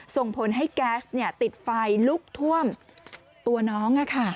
ส่งผลให้แก๊สติดไฟลุกท่วมตัวน้อง